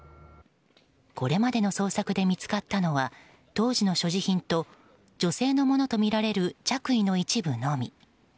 これまでの捜索で見つかったのは当時の所持品と女性のものとみられる着衣の一部のみ。